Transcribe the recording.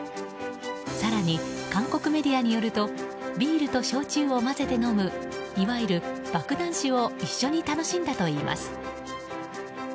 更に、韓国メディアによるとビールと焼酎を混ぜて飲むいわゆる爆弾酒を一緒に楽しんだといいます。